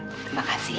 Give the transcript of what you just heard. terima kasih ya